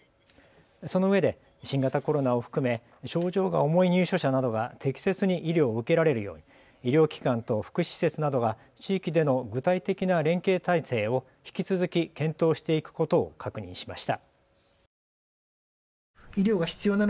そのうえで新型コロナを含め症状が重い入所者などが適切に医療を受けられるように医療機関と福祉施設などが地域での具体的な連携体制を引き続き検討していくことを確認しました。